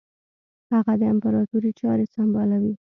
هغه د امپراطوري چاري سمبالوي.